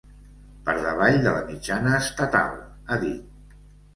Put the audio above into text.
Per davall de la mitjana estatal, ha dit.